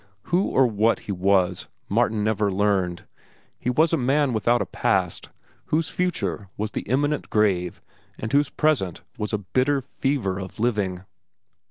Who or what he was, Martin never learned. He was a man without a past, whose future was the imminent grave and whose present was a bitter fever of living.